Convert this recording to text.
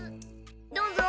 どうぞ。